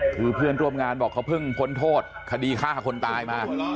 คือเพื่อนร่วมงานบอกเขาเพิ่งพ้นโทษคดีฆ่าคนตายมา